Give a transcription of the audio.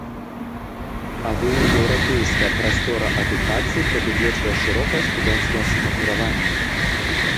Агульнаеўрапейская прастора адукацыі прадугледжвае шырокае студэнцкае самакіраванне.